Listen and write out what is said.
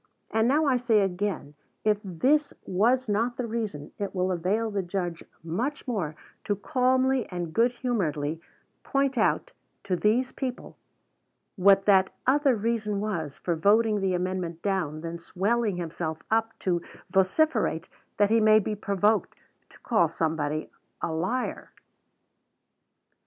And now I say again, if this was not the reason, it will avail the judge much more to calmly and good humoredly point out to these people what that other reason was for voting the amendment down than swelling himself up to vociferate that he may be provoked to call somebody a liar.